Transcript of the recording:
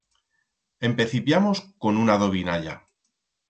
Empecipiamos con una dovinalla.